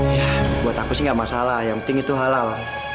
ya buat aku sih gak masalah yang penting itu halal